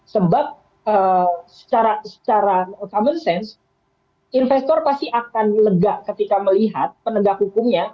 sebab secara common sense investor pasti akan lega ketika melihat penegak hukumnya